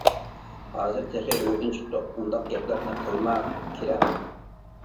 -ھازىر تېخى ئۆيىدىن چىقتۇق، ئۇنداق گەپلەرنى قىلما كېرەم!